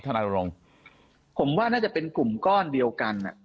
นายโรงผมว่าน่าจะเป็นกลุ่มก้อนเดียวกัน